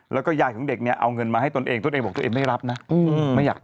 แล้วก็ยายของเด็กเนี่ยเอาเงินมาให้ตนเองตนเองบอกตัวเองไม่รับนะไม่อยาก